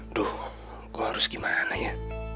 aduh kok harus gimana ya